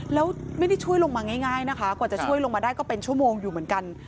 แล้วไม่ได้ช่วยลงมาง่ายนะคะกว่าจะช่วยลงมาได้ก็เป็นชั่วโมงอยู่เหมือนกัน